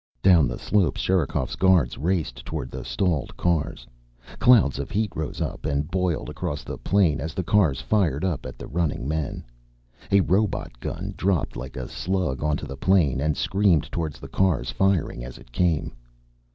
Down the slopes Sherikov's guards raced, toward the stalled cars. Clouds of heat rose up and boiled across the plain as the cars fired up at the running men. A robot gun dropped like a slug onto the plain and screamed toward the cars, firing as it came.